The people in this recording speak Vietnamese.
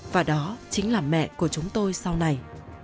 và đó chính là mẹ của chúng tôi sau này